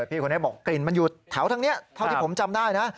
พี่คนนี้บอกกลิ่นมันอยู่แถวทางนี้เท่าที่ผมจำได้นะ